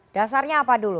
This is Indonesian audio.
dasarnya apa dulu